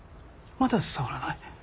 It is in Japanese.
まだ伝わらない？